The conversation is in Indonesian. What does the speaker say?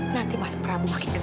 nanti mas prabu makin gerak